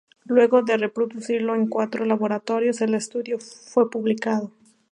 Luego de reproducirlo en cuatro laboratorios, el estudio fue publicado.